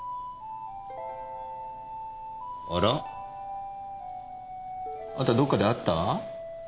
あら？あんたどっかで会った？